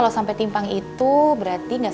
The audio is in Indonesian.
aku jangan negasih ag errors